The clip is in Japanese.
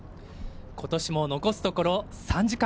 今年も残すところ３時間。